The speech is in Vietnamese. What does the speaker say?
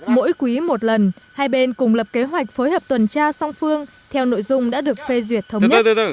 mỗi quý một lần hai bên cùng lập kế hoạch phối hợp tuần tra song phương theo nội dung đã được phê duyệt thống nhất